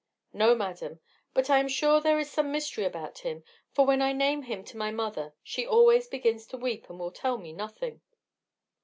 "No, madam; but I am sure there is some mystery about him, for when I name him to my mother she always begins to weep, and will tell me nothing."